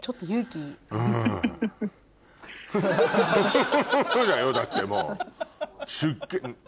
「ふふふ」だよだってもう。